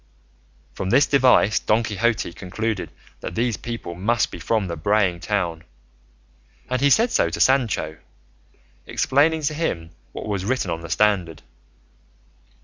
From this device Don Quixote concluded that these people must be from the braying town, and he said so to Sancho, explaining to him what was written on the standard.